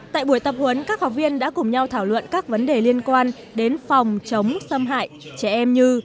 tại buổi tập huấn các học viên đã cùng nhau thảo luận các vấn đề liên quan đến phòng chống xâm hại trẻ em như